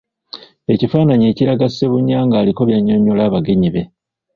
Ekifaananyi ekiraga Ssebunya nga aliko by’annyonnyola abagenyi be.